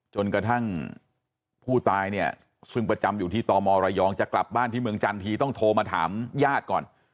จนกระทั่งผู้ตายเนี่ยซึ่งประจำอยู่ที่ตมระยองจะกลับบ้านที่เมืองจันทีต้องโทรมาถามญาติก่อน